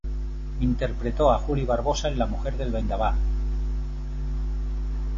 Interpretó a July Barbosa en "La mujer del vendaval".